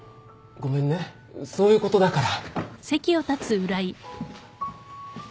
ごめんねそういうことだから。